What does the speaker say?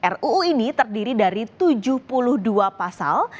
ruu ini terdiri dari tujuh puluh dua pasal